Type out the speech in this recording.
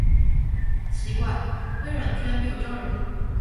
奇怪，微软居然没有招人